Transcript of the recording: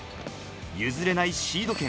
ゆずれないシード権。